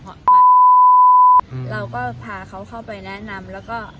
เพราะเราก็พาเขาเข้าไปแนะนำแล้วก็